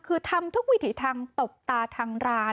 คือทำทุกวิถีทางตบตาทางร้าน